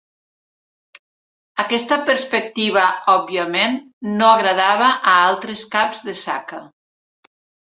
Aquesta perspectiva òbviament no agradava a altres caps de Saka.